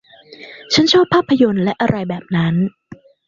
ฉันชอบภาพยนตร์และอะไรแบบนั้น